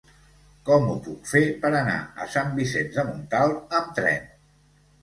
Com ho puc fer per anar a Sant Vicenç de Montalt amb tren?